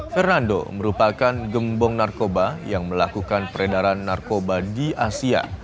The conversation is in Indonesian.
fernando merupakan gembong narkoba yang melakukan peredaran narkoba di asia